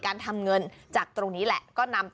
เก๋ดีเนาะ